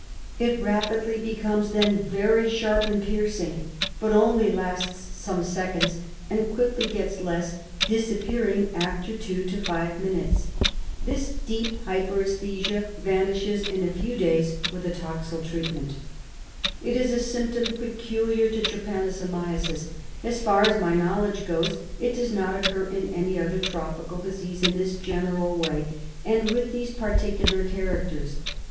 It rapidly becomes then very sharp and piercing, but only lasts some seconds, and quickly gets less, disappearing after two to five minutes. This deep hyperesthesia vanishes in a few days with atoxyl treatment. "It is a symptom peculiar to trypanosomiasis. As far as my knowledge goes, it does not occur in any other tropical disease in this general way, and with these particular char acters.